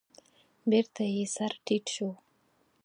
بېرته يې سر تيټ شو.